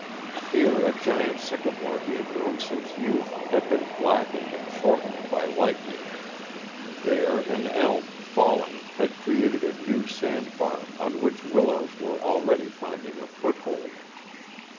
Here a giant sycamore he had known since youth had been blackened and shortened by lightning; there an elm, falling, had created a new sand bar on which willows were already finding a foothold.